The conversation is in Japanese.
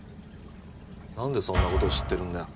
何でそんなことを知ってるんだ